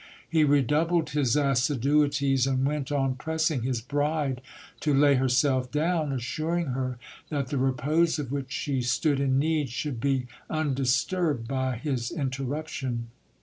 He redoubled his j.ssiduities, and went on pressing his bride to lay herself down, assuring her that the repose of which she stood in need should be undisturbed by his interruption.